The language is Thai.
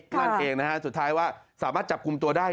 นั่นเองนะฮะสุดท้ายว่าสามารถจับกลุ่มตัวได้